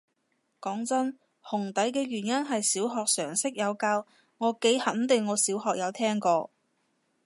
講真，紅底嘅原因係小學常識有教，我幾肯定我小學有聽過